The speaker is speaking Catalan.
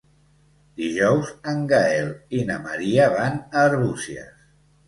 Dijous en Gaël i na Maria van a Arbúcies.